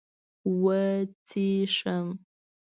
وچيښم